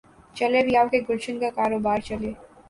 چلے بھی آؤ کہ گلشن کا کاروبار چلے